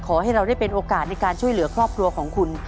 ขอให้เราได้เป็นโอกาสในการช่วยเหลือครอบครัวของคุณ